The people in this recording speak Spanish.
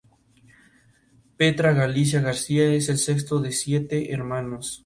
Todas las canciones compuestas por Paul McCartney y John Lennon excepto donde se anota.